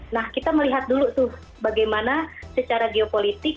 nah kita melihat dulu tuh bagaimana secara geopolitik